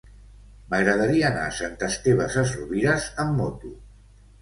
M'agradaria anar a Sant Esteve Sesrovires amb moto.